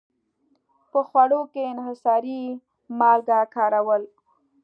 په خوړو کې انحصاري مالګه کارول.